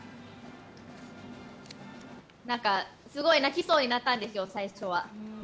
なんか、すごい泣きそうになったんですよ、最初は。